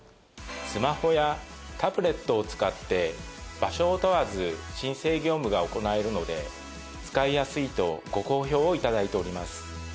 スマホやタブレットを使って場所を問わず申請業務が行えるので使いやすいとご好評を頂いております。